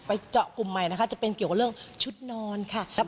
ไปเจาะกลุ่มไม้นะคะจะเป็นเรื่องเที่ยวชุดนอน